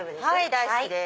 大好きです。